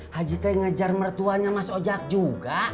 haji teh ngejar mertuanya mas ojak juga